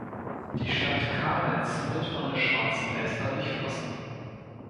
Die Stadt Kamenz wird von der Schwarzen Elster durchflossen.